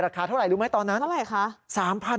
ราคาเท่าไหร่รู้ไหมตอนนั้นอะไรค่ะ